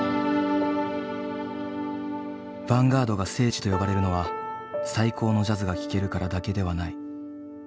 ヴァンガードが聖地と呼ばれるのは最高のジャズが聴けるからだけではない。